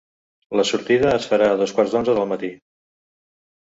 La sortida es farà a dos quarts d’onze del matí.